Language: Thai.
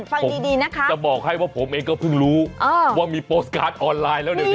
ฟังดีดีนะคะจะบอกให้ว่าผมเองก็เพิ่งรู้ว่ามีโปสตการ์ดออนไลน์แล้วเดี๋ยว